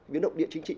biến động địa chính trị